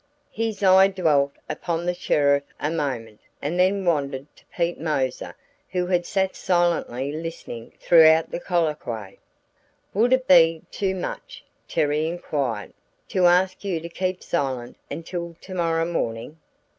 His eye dwelt upon the sheriff a moment and then wandered to Pete Moser who had sat silently listening throughout the colloquy. "Would it be too much," Terry inquired, "to ask you to keep silent until tomorrow morning?"